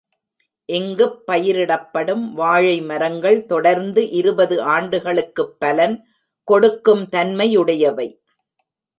இங்குப் பயிரிடப்படும் வாழை மரங்கள் தொடர்ந்து இருபது ஆண்டுகளுக்குப் பலன் கொடுக்கும் தன்மையுடையவை.